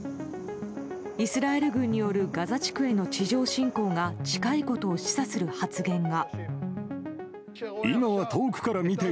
イスラエル軍によるガザ地区への地上侵攻が近いことを示唆する発言が。